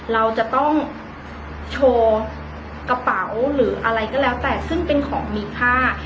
เราจะต้องโชว์กระเป๋าหรืออะไรก็แล้วแต่ซึ่งเป็นของมีค่า